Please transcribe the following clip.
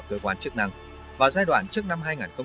cơ quan chức năng vào giai đoạn trước năm hai nghìn một mươi bốn